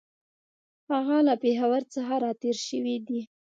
هغه له پېښور څخه را تېر شوی دی.